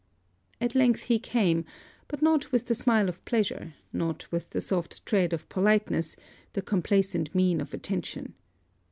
At length he came, but not with the smile of pleasure, not with the soft tread of politeness, the complacent mien of attention.